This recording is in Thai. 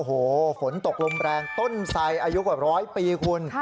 โอ้โหฝนตกลมแรงต้นไสอายุกว่าร้อยปีคุณ